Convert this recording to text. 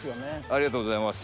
ありがとうございます。